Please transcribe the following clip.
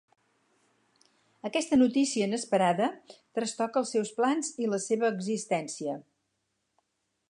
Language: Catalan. Aquesta notícia inesperada trastoca els seus plans i la seva existència.